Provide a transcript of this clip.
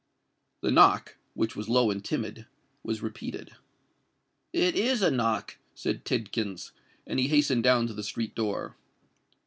The knock—which was low and timid—was repeated. "It is a knock," said Tidkins; and he hastened down to the street door.